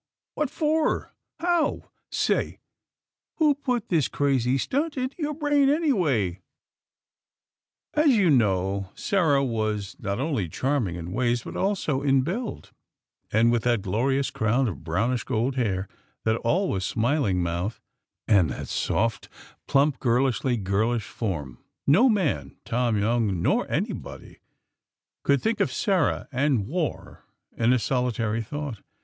What for? How? Say!! Who put this crazy stunt into your brain, anyway?" As you know, Sarah was not only charming in ways, but also in build; and, with that glorious crown of brownish gold hair, that always smiling mouth and that soft, plump girlishly girlish form, no man, Tom Young nor anybody, could think of Sarah and war in a solitary thought.